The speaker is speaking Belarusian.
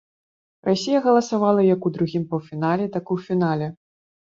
Расія галасавала як у другім паўфінале, так і ў фінале.